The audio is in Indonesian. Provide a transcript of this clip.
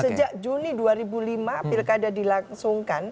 sejak juni dua ribu lima pilkada dilangsungkan